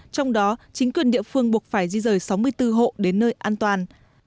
trong đó chính quyền địa phương buộc phải di rời sáu mươi bốn hộ đến nơi an toàn